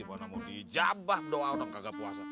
gimana mau dijabah doa orang kagak puasa